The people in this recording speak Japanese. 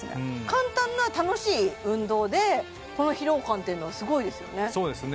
簡単な楽しい運動でこの疲労感っていうのはすごいですよね